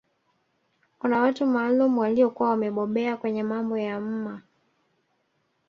Kuna watu maalum waliokuwa wamebobea kwenye mambo ya mma